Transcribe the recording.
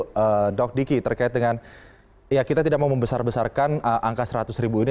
itu dok diki terkait dengan ya kita tidak mau membesar besarkan angka seratus ribu ini